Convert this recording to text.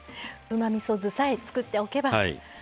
うまみそ酢さえ作っておけば。